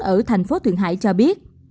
ở thành phố thượng hải cho biết